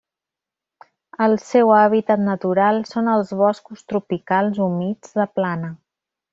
El seu hàbitat natural són els boscos tropicals humits de plana.